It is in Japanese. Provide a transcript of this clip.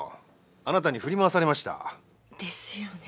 あなたに振り回されました。ですよね。